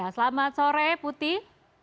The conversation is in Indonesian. selamat sore putih